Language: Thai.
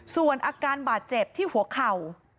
ส่วนอาการบาดเจ็บที่หัวเข่า